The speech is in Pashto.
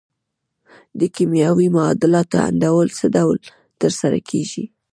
د کیمیاوي معادلو انډول څه ډول تر سره کیږي؟